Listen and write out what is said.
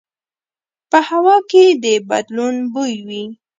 په هوا کې د بدلون بوی وي